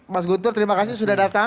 mas guntur terima kasih sudah datang